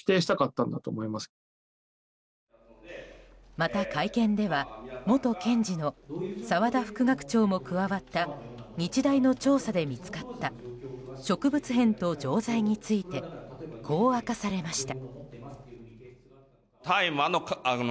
また会見では元検事の澤田副学長も加わった日大の調査で見つかった植物片と錠剤についてこう明かされました。